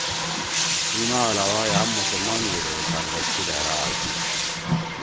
اِی ما علاوہ یام مسلمان لیِڈر کانگرس سی ڈھأرا آشی